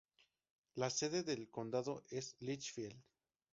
La sede del condado es Litchfield.